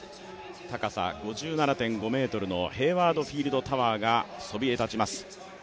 高さ５７．５ｍのヘイワード・フィールドタワーがそびえ立ちます。